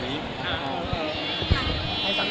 พี่บอกว่าถอยนิดหนึ่งสอง